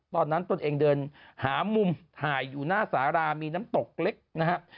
ตนเองเดินหามุมถ่ายอยู่หน้าสารามีน้ำตกเล็กนะครับ